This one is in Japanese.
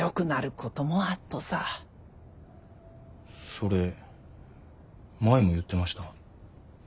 それ舞も言うてました。